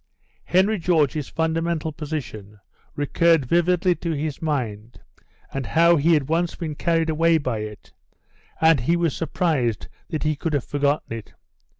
Henry George's fundamental position recurred vividly to his mind and how he had once been carried away by it, and he was surprised that he could have forgotten it.